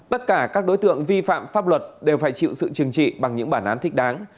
tất cả các đối tượng vi phạm pháp luật đều phải chịu sự chừng trị bằng những bản án thích đáng